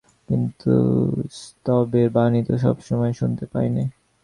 কিন্তু স্তবের বাণী তো সব সময় শুনতে পাই নে।